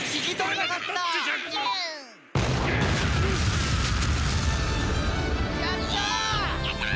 やったー！